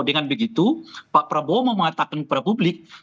dengan begitu pak prabowo mau mengatakan kepada publik